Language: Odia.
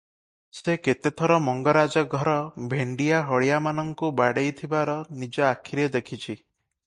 ସେ କେତେ ଥର ମଙ୍ଗରାଜ ଘର ଭେଣ୍ତିଆ ହଳିଆମାନଙ୍କୁ ବାଡ଼େଇଥିବାର ନିଜ ଆଖିରେ ଦେଖିଛି ।